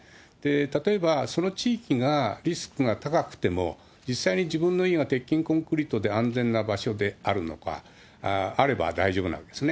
例えばその地域がリスクが高くても、実際に自分の家が鉄筋コンクリートで安全な場所であればあれば大丈夫なんですね。